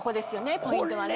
ポイントはね。